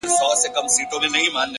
o خپل مخ واړوې بل خواتــــه ـ